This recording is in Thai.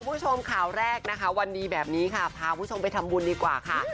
คุณผู้ชมข่าวแรกนะคะวันดีแบบนี้ค่ะพาคุณผู้ชมไปทำบุญดีกว่าค่ะ